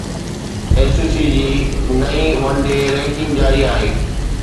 اي C C جي نئين one day ranking جاري آهي